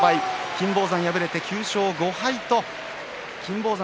金峰山敗れて９勝５敗、金峰山